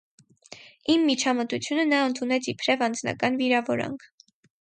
Իմ միջամտությունը նա ընդունեց իբրև անձնական վիրավորանք: